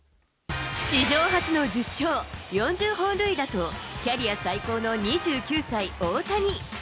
史上初の１０勝、４０本塁打と、キャリア最高の２９歳、大谷。